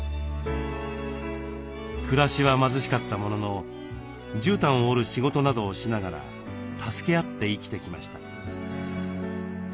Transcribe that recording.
暮らしは貧しかったもののじゅうたんを織る仕事などをしながら助け合って生きてきました。